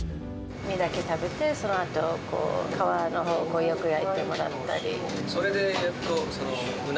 身だけ食べて、皮のほうだけよく焼いてもらったり。